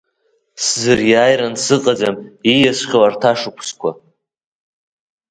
Сзыриааиран сыҟаӡам исиааихьоу арҭ ашықәсқәа.